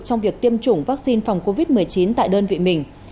trong việc tiêm chủng vaccine phòng covid một mươi chín tại đơn vị mình